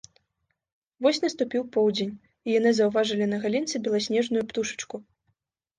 Вось наступіў поўдзень, і яны заўважылі на галінцы беласнежную птушачку